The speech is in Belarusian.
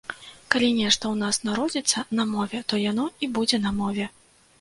Калі нешта ў нас народзіцца на мове, то яно і будзе на мове!